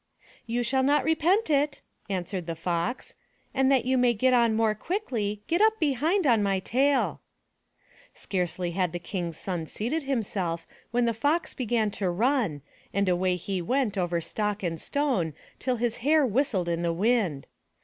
"You shall not repent it,*' answered the Fox. "And that you may get on more quickly, get up behind on my tail." Scarcely had the King's son seated himself when the Fox began to run, and away he went over stock and stone till his hair whistled in the wind.